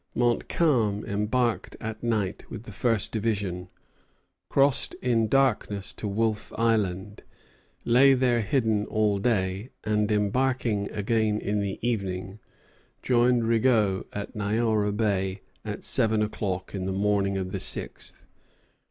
Montcalm embarked at night with the first division, crossed in darkness to Wolf Island, lay there hidden all day, and embarking again in the evening, joined Rigaud at Niaouré Bay at seven o'clock in the morning of the sixth.